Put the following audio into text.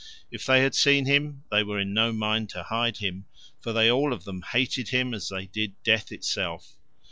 If they had seen him they were in no mind to hide him, for they all of them hated him as they did death itself.